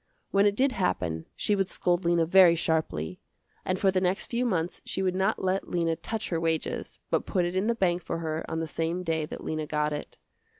When it did happen she would scold Lena very sharply, and for the next few months she would not let Lena touch her wages, but put it in the bank for her on the same day that Lena got it.